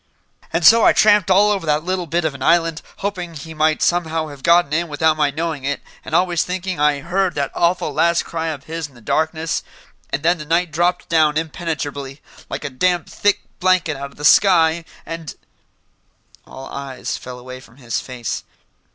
"And so I tramped all over that little bit of an island, hoping he might somehow have gotten in without my knowing it, and always thinking I heard that awful last cry of his in the darkness and then the night dropped down impenetrably, like a damn thick blanket out of the sky, and " All eyes fell away from his face.